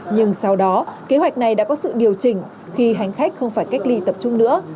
nhưng sau đó kế hoạch này đã có sự điều chỉnh khi hành khách không phải cách ly tập trung nữa